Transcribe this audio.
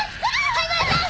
灰原さん！